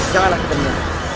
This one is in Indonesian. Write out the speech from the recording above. janganlah kita nyala